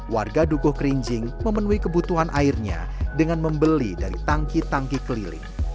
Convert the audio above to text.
warga dukuh kerinjing memenuhi kebutuhan airnya dengan membeli dari tangki tangki keliling